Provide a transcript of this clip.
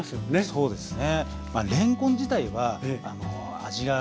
そうですね。